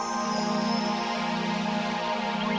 siap mengerti pihak pihak sendiri